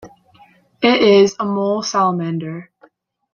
It is a mole salamander.